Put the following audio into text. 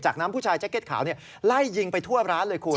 จากนั้นผู้ชายแจ็คเก็ตขาวไล่ยิงไปทั่วร้านเลยคุณ